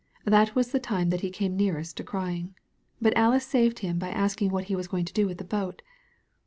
That was the time that he came nearest to crying. But Alice saved him by asking what he was going to do with the boat.